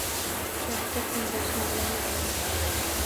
Kaftga qo’ndirishni bilamiz rosa.